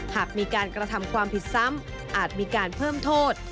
หากมีการกระทำความผิดซ้ำอาจมีการเพิ่มโทษ